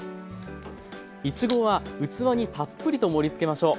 いちごは器にたっぷりと盛りつけましょう。